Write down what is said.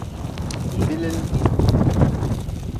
Bilin.